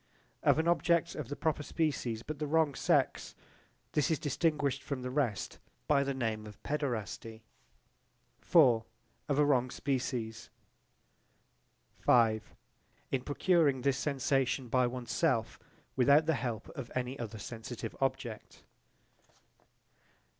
Of an object of the proper species but the wrong sex. This is distinguished from the rest by the name of paederasty. Of a wrong species. In procuring this sensation by one's self without the help of any other sensitive object.